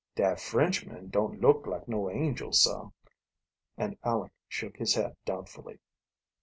"Dat Frenchman don't look like no angel, sah," and Aleck shook his head doubtfully.